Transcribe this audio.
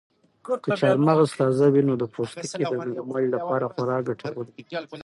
که چهارمغز تازه وي نو د پوستکي د نرموالي لپاره خورا ګټور دي.